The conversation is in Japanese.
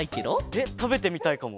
えったべてみたいかも。